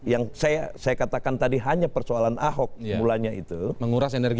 yang saya katakan tadi hanya persoalan ahok mulanya itu